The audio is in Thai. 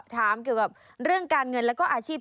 ถามเกี่ยวกับเรื่องการเงินแล้วก็อาชีพ